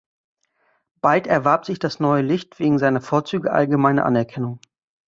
Bald erwarb sich das neue Licht wegen seiner Vorzüge allgemeine Anerkennung.